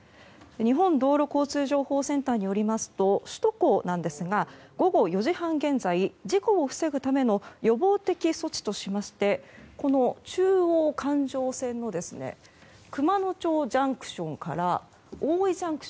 日本道路交通情報センターによりますと首都高なんですが午後４時半現在事故を防ぐための予防的措置としまして中央環状線の熊野町ＪＣＴから大井ＪＣＴ